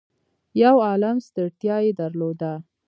يو عالُم ستړيا يې درلوده.